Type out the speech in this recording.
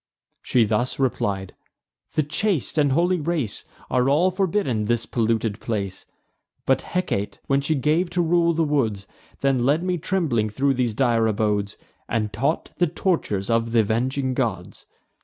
She thus replied: "The chaste and holy race Are all forbidden this polluted place. But Hecate, when she gave to rule the woods, Then led me trembling thro' these dire abodes, And taught the tortures of th' avenging gods.